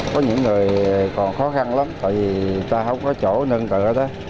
có những người còn khó khăn lắm tại vì ta không có chỗ nâng cửa đó